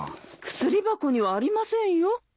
薬箱にはありませんよ。